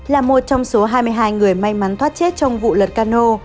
là một trong số hai mươi hai người may mắn thoát chết trong vụ lật cano